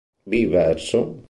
B verso.